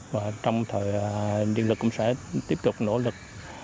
và trong thời điện lực cũng sẽ tiếp tục nỗ lực